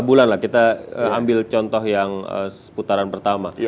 tiga bulan lah kita ambil contoh yang putaran pertama